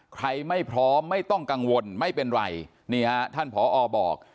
ใครไม่พร้อมไม่ต้องกังวลไม่เป็นไรนี่ฮะท่านผอบอก